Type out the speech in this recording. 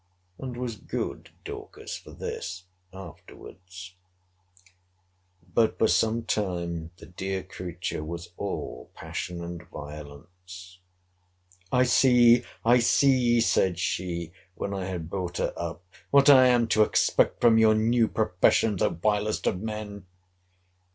And was good Dorcas for this afterwards. But for some time the dear creature was all passion and violence— I see, I see, said she, when I had brought her up, what I am to expect from your new professions, O vilest of men!